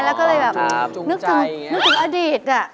แล้วก็เลยแบบนึกถึงอดีต